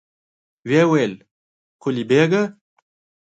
ويې ويل: قلي بېګه!